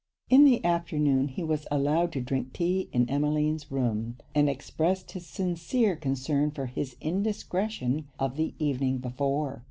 In the afternoon, he was allowed to drink tea in Emmeline's room, and expressed his sincere concern for his indiscretion of the evening before.